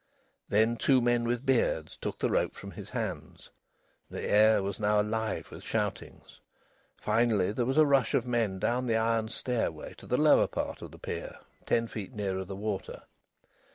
Then two men with beards took the rope from his hands. The air was now alive with shoutings. Finally there was a rush of men down the iron stairway to the lower part of the pier, ten feet nearer the water.